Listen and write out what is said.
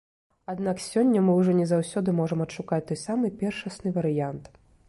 Аднак сёння мы ўжо не заўсёды можам адшукаць той самы першасны варыянт.